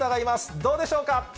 どうでしょうか。